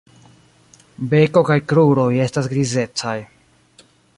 Beko kaj kruroj estas grizecaj.